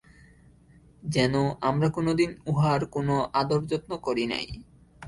যেন আমরা কোনোদিন উহার কোনো আদর-যত্ন করি নাই।